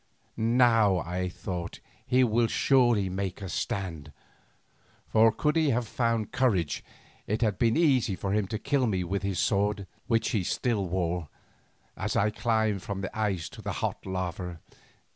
Now, I thought, he will surely make a stand, for could he have found courage it had been easy for him to kill me with his sword, which he still wore, as I climbed from the ice to the hot lava.